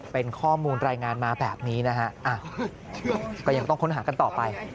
เป็นข้อมูลรายงานมาแบบนี้นะฮะก็ยังต้องค้นหากันต่อไป